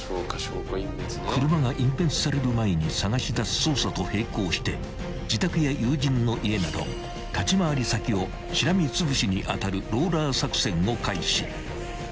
［車が隠滅される前に捜し出す捜査と並行して自宅や友人の家など立ち回り先をしらみつぶしに当たるローラー作戦を開始］